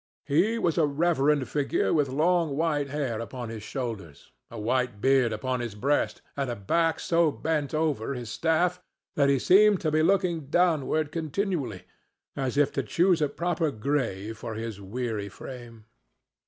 He was a reverend figure with long white hair upon his shoulders, a white beard upon his breast and a back so bent over his staff that he seemed to be looking downward continually, as if to choose a proper grave for his weary frame.